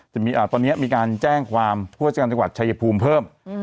ตอนนี้มีการแจ้งความผู้ราชการจังหวัดชายภูมิเพิ่ม